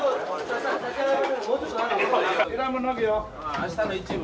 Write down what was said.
明日の一部。